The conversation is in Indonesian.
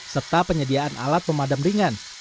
serta penyediaan alat pemadam ringan